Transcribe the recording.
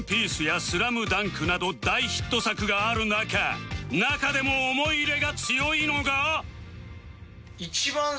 『ＯＮＥＰＩＥＣＥ』や『ＳＬＡＭＤＵＮＫ』など大ヒット作がある中中でも思い入れが強いのが